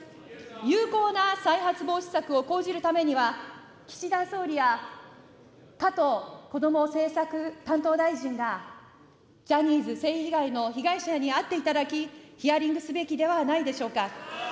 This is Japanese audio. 有効な再発防止策を講じるためには、岸田総理や加藤こども政策担当大臣がジャニーズ性被害の被害者に会っていただき、ヒアリングすべきではないでしょうか。